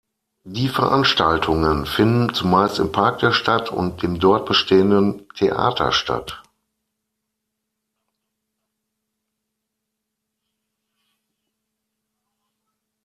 Die Veranstaltungen finden zumeist im Park der Stadt und dem dort bestehenden Theater statt.